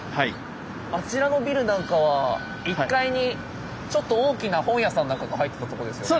あちらのビルなんかは１階にちょっと大きな本屋さんなんかが入ってたとこですよね。